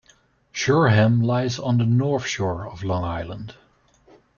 Shoreham lies on the North Shore of Long Island.